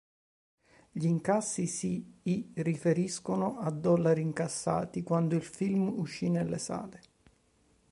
Gli incassi si i riferiscono a dollari incassati quando il film uscì nelle sale.